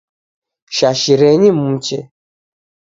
Shashirenyi muche